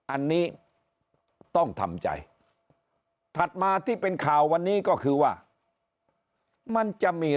อันนี้ต้องทำใจถัดมาที่เป็นข่าววันนี้ก็คือว่ามันจะมี